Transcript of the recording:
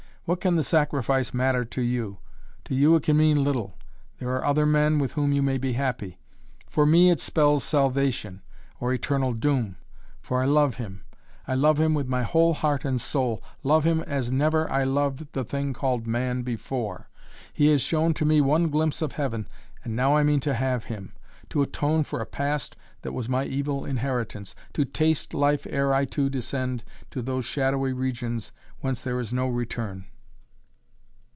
What can the sacrifice matter to you? To you it can mean little. There are other men with whom you may be happy. For me it spells salvation or eternal doom! For I love him, I love him with my whole heart and soul, love him as never I loved the thing called man before! He has shown to me one glimpse of heaven, and now I mean to have him, to atone for a past that was my evil inheritance, to taste life ere I too descend to those shadowy regions whence there is no return.